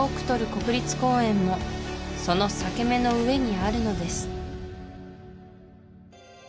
国立公園もその裂け目の上にあるのです